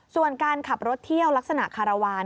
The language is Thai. ส่วนการขับรถเที่ยวลักษณะคารวาล